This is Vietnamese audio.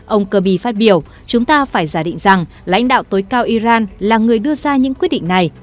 ông kirby phát biểu chúng ta phải giả định rằng lãnh đạo tối cao iran là người đưa ra những quyết định này